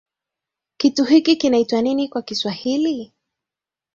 Kitu hiki kinaitwa nini kwa Kiswahili?